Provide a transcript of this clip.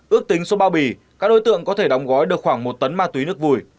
ước tính số bao bì các đối tượng có thể đóng gói được khoảng một tấn ma túy nước vùi